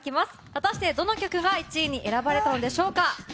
果たしてどの曲が１位に選ばれたでしょうか。